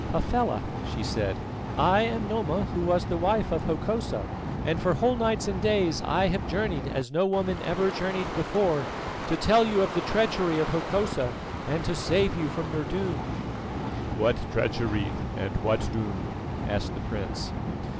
"Hafela," she said, "I am Noma who was the wife of Hokosa, and for whole nights and days I have journeyed as no woman ever journeyed before, to tell you of the treachery of Hokosa and to save you from your doom." "What treachery and what doom?" asked the prince.